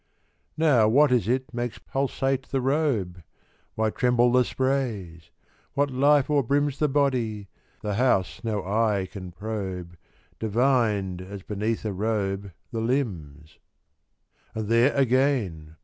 Now, what is it makes pulsate the robe? Why tremble the sprays? What life o'erbrims 10 The body, the house no eye can probe, Divined, as beneath a robe, the limbs? And there again!